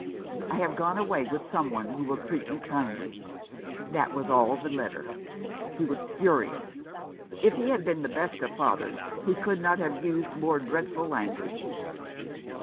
' I have gone away with some one who will treat me kindly.' That was all the letter. He was furious. If he had been the best of fathers he could not have used more dreadful language.